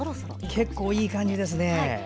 結構いい感じですね。